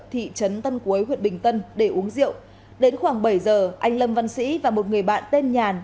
thị trấn tân cuối huyện bình tân để uống rượu đến khoảng bảy giờ anh lâm văn sĩ và một người bạn tên nhàn